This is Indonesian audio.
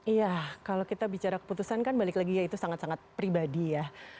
iya kalau kita bicara keputusan kan balik lagi ya itu sangat sangat pribadi ya